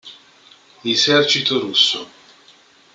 Esercito russo